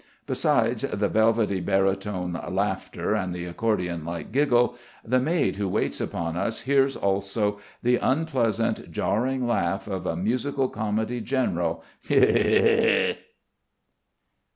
Besides the velvety, baritone laughter and the accordion like giggle, the maid who waits upon us hears also the unpleasant jarring laugh of a musical comedy general: "He, he, he!"